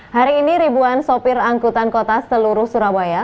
hari ini ribuan sopir angkutan kota seluruh surabaya